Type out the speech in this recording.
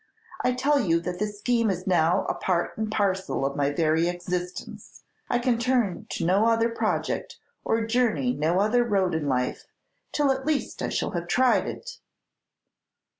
I tell you that this scheme is now a part and parcel of my very existence. I can turn to no other project, or journey no other road in life, till at least I shall have tried it!"